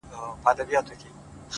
• چي شعر له نثر څخه بېلوي ,